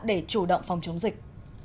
để chủ động phòng chống dịch